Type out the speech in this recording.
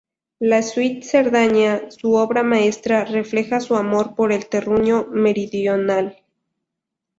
La suite "Cerdaña", su obra maestra, refleja su amor por el terruño meridional.